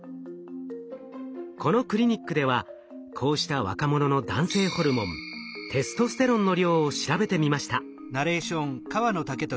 このクリニックではこうした若者の男性ホルモンテストステロンの量を調べてみました。